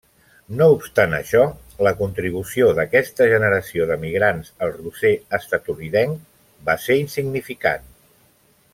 No obstant això, la contribució d'aquesta generació d'emigrants al roser estatunidenc va ser insignificant.